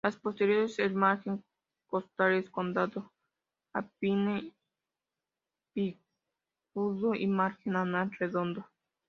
Las posteriores el margen costal es cóncavo, ápice casi picudo y margen anal redondo.